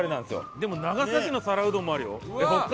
でも長崎の皿うどんもあるよ。